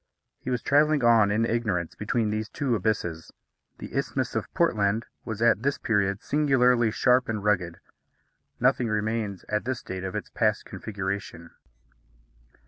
He was travelling on, in ignorance, between these two abysses. The Isthmus of Portland was at this period singularly sharp and rugged. Nothing remains at this date of its past configuration.